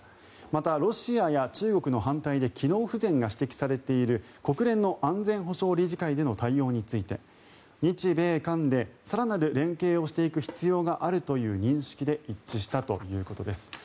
また、ロシアや中国の反対で機能不全が指摘されている国連の安全保障理事会での対応について日米韓で更なる連携をしていく必要があるという認識で一致したということです。